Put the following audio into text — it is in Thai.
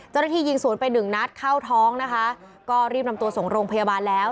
เจ้าหน้าที่ยิงศูนย์ไปหนึ่งนัดเข้าท้องนะคะก็รีบนำตัวส่งโรงพยาบาลแล้ว